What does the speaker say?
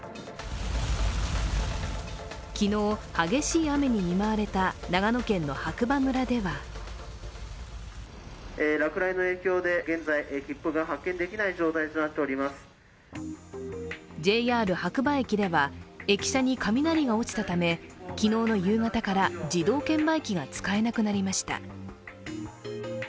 昨日、激しい雨に見舞われた長野県の白馬村ではＪＲ白馬駅では駅舎に雷が落ちたため昨日の夕方から自動券売機が使えなくなりました。